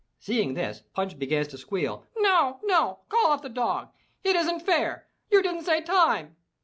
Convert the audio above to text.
Seeing this Punch begins to squeal, "No, no! Call off the dog! It isn't fair! You didn't say Time!'